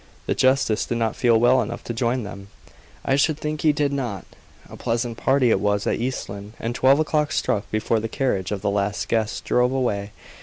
The justice did not feel well enough to join them. I should think he did not. A pleasant party it was at East Lynne, and twelve o'clock struck before the carriage of the last guest drove away.